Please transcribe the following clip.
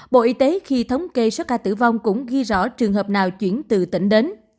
bộ y tế khi thống kê số ca tử vong cũng ghi rõ trường hợp nào chuyển từ tỉnh đến